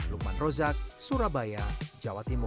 lukman rozak surabaya jawa timur